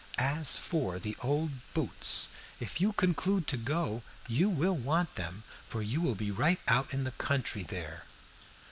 "As for the old boots, if you conclude to go, you will want them, for you will be right out in the country there."